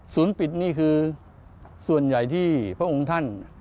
ปิดนี่คือส่วนใหญ่ที่พระองค์ท่าน